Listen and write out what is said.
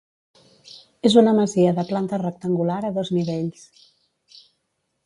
És una masia de planta rectangular a dos nivells.